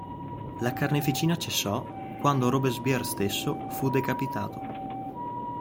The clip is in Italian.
La carneficina cessò quando Robespierre stesso fu decapitato.